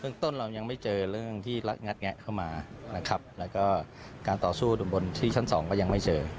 ต้นเรายังไม่เจอเรื่องที่งัดแงะเข้ามานะครับแล้วก็การต่อสู้บนที่ชั้นสองก็ยังไม่เจอ